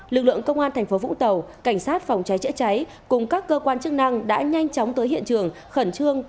lực lượng công an tp vũng tàu cảnh sát phòng cháy chữa cháy cùng các cơ quan chức năng đã nhanh chóng tới hiện trường khẩn trương